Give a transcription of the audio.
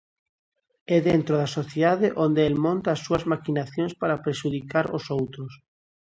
É dentro da sociedade onde el monta as súas maquinacións para prexudicar aos outros.